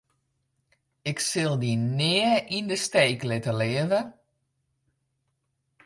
Ik sil dy nea yn 'e steek litte, leave.